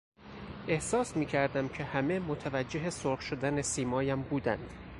احساس میکردم که همه متوجه سرخ شدن سیمایم بودند.